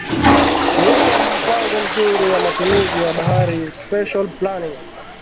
Kuwekwa mpango mzuri wa matumizi ya bahari Special planning